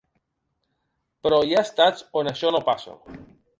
Però hi ha estats on això no passa.